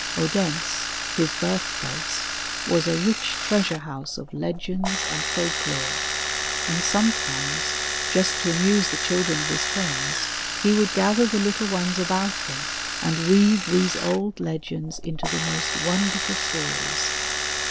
Odense, his birthplace, was a rich treasure house of legends and folk lore, and sometimes, just to amuse the children of his frierids, he would gather the little ones about him and weave these old legends into the most wonderful stories.